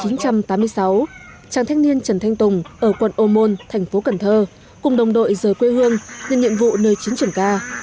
năm một nghìn chín trăm tám mươi sáu chàng thanh niên trần thanh tùng ở quận ô môn thành phố cần thơ cùng đồng đội rời quê hương nhận nhiệm vụ nơi chiến trường ca